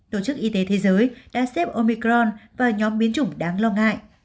tổ chức y tế thế giới đã xếp omicron vào nhóm biến chủng đáng lo ngại